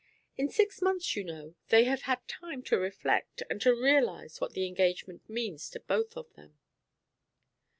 In six months, you know, they have had time to reflect and to realize what the engagement means to both of them."